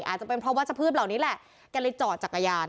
อาจจะเป็นเพราะวัชพืชเหล่านี้แหละแกเลยจอดจักรยาน